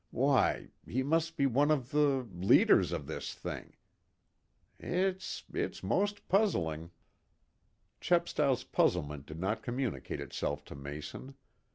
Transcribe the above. Why he must be one of the leaders of this thing. It's it's most puzzling!" Chepstow's puzzlement did not communicate itself to Mason.